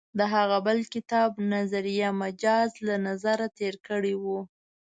د هغه بل کتاب «نظریه مجاز» له نظره تېر کړی و.